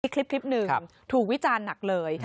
คลิปหนึ่งถูกวิจารณ์หนักเลย